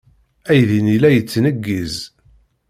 Aydi-nni la yettneggiz.